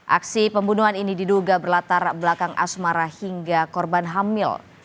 aksi pembunuhan ini diduga berlatar belakang asmara hingga korban hamil